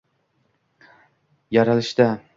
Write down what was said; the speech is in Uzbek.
Yaralishda